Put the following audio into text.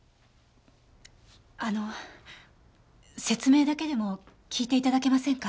あの説明だけでも聞いていただけませんか？